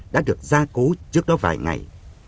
đã được gia cố trước đó vài ngày